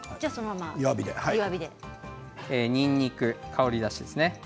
にんにく香り出しですね。